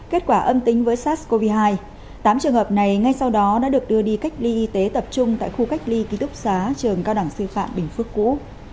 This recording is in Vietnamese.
kết quả âm tính với sars cov hai tám trường hợp này ngay sau đó đã được đưa đi cách ly y tế tập trung tại khu cách ly ký túc xá trường cao đẳng sư phạm bình phước cũ